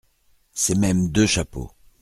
C’est même deux chapeaux !